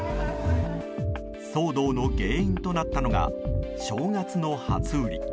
騒動の原因となったのが正月の初売り。